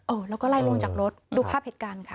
แล้วก็ไล่ลงจากรถดูภาพเหตุการณ์ค่ะ